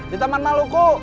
di taman maluku